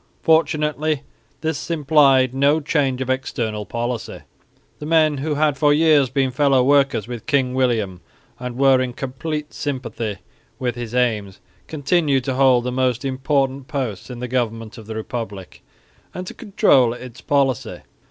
Fortunately this implied no change of external policy. The men who had for years been fellow workers with King William and were in complete sympathy with his aims continued to hold the most important posts in the government of the Republic, and to control its policy.